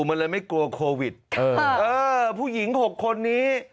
มันเลยไม่กลัวโควิดเออเออผู้หญิงหกคนนี้